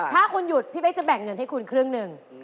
ถ้าคุณหยุดพี่เป๊กจะแบ่งเงินให้คุณครึ่งหนึ่ง